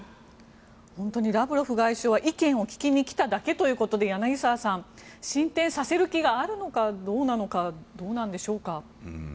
本当にラブロフ外相は意見を聞きに来ただけということで柳澤さん、進展させる気があるのかどうなのかどうなんでしょうか。